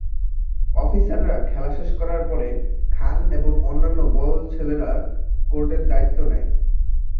অফিসাররা খেলা শেষ করার পরে, খান এবং অন্যান্য বল ছেলেরা কোর্টের দায়িত্ব নেয়।